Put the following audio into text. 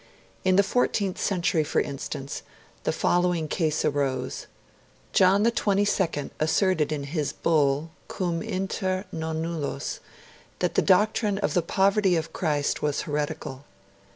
In the fourteenth century, for instance, the following case arose. John XXII asserted in his bull 'Cum inter nonnullos' that the doctrine of the poverty of Christ was heretical.